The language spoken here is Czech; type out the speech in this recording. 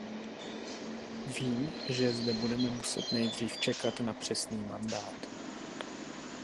Vím, že zde budeme muset nejdřív čekat na přesný mandát.